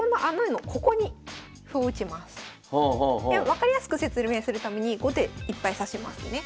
分かりやすく説明するために後手いっぱい指しますね。